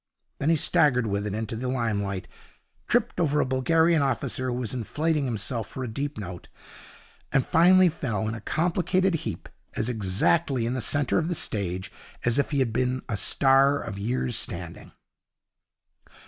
Then he staggered with it into the limelight, tripped over a Bulgarian officer who was inflating himself for a deep note, and finally fell in a complicated heap as exactly in the centre of the stage as if he had been a star of years' standing.